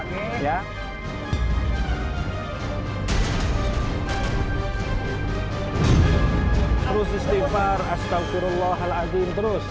terus istighfar astagfirullahaladzim terus